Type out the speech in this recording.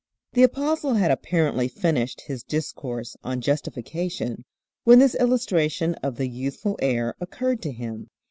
THE Apostle had apparently finished his discourse on justification when this illustration of the youthful heir occurred to him.